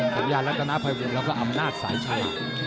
ของยาลักษณะภัยวงศ์แล้วก็อำนาจสายชัย